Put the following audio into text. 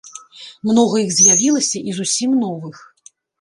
Многа іх з'явілася і зусім новых.